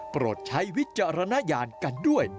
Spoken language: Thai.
โปรดใช้วิจารณญาณกันด้วย